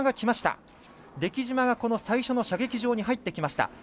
出来島が最初の射撃場に入ってきました。